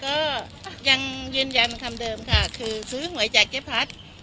เจ๊พัดบินก็ยังเยือนยันคำเดิมค่ะคือซื้อหัวจากเกี๊วพัด